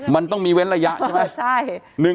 มันต้องมีเว้นระยะจรึเปล่าใช่